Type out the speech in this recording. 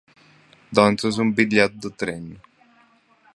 Doncs és un bitllet de tren.